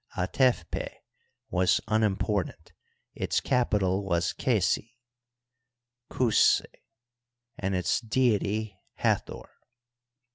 Atefpeh was unimportant ; its capi tal was Qesi (Cuscb), and its deity Hathor.